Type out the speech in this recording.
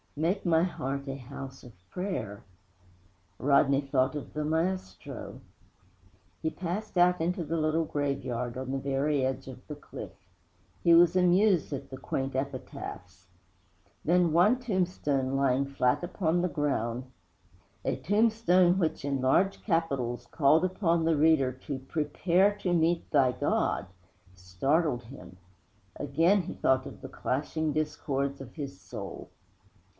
'Make my heart a house of prayer!' Rodney thought of the maestro. He passed out into the little graveyard on the very edge of the cliff. He was amused at the quaint epitaphs. Then one tombstone, lying flat upon the ground, a tombstone which, in large capitals, called upon the reader to 'Prepare to meet thy God,' startled him. Again he thought of the clashing discords of his soul.